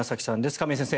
亀井先生